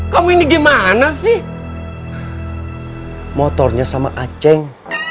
kamu ini gimana sih motornya sama aceh